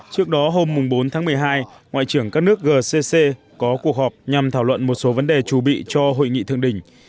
trước đó hôm bốn tháng một mươi hai ngoại trưởng các nước gcc có cuộc họp nhằm thảo luận một số vấn đề trù bị cho hội nghị thượng đỉnh